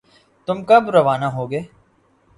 تم کب روانہ ہوگے؟